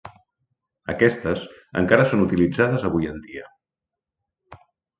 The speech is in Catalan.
Aquestes, encara són utilitzades avui en dia.